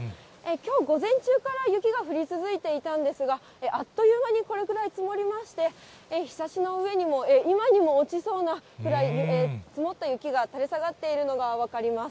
きょう午前中から雪が降り続いていたんですが、あっという間に、これくらい積もりまして、ひさしの上にも、今にも落ちそうなくらい、積もった雪が垂れ下がっているのが分かります。